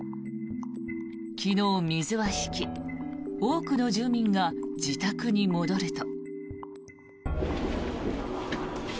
昨日、水は引き多くの住民が自宅に戻ると。